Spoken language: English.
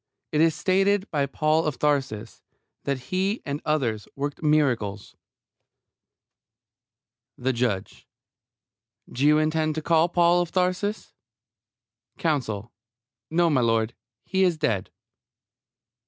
It is stated by Paul of Tarsus that he and others worked miracles THE JUDGE: Do you intend to call Paul of Tarsus? COUNSEL: No, m'lud. He is dead.